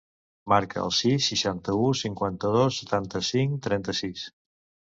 Marca el sis, seixanta-u, cinquanta-dos, setanta-cinc, trenta-sis.